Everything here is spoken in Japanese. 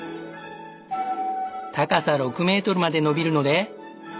高さ６メートルまで伸びるので。